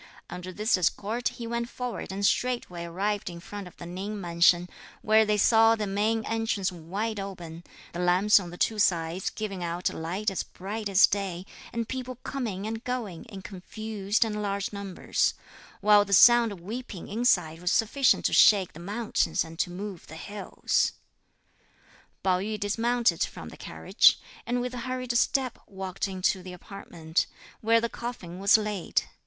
Under this escort he went forward and straightway arrived in front of the Ning mansion, where they saw the main entrance wide open, the lamps on the two sides giving out a light as bright as day, and people coming and going in confused and large numbers; while the sound of weeping inside was sufficient to shake the mountains and to move the hills. Pao yü dismounted from the carriage; and with hurried step, walked into the apartment, where the coffin was laid.